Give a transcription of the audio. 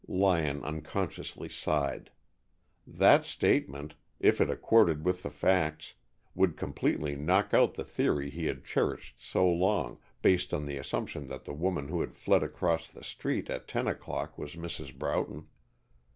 Lyon unconsciously sighed. That statement. If it accorded with the facts, would completely knock out the theory he had cherished so long, based on the assumption that the woman who had fled across the street at ten o'clock was Mrs. Broughton.